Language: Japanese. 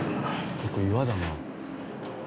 結構岩だな。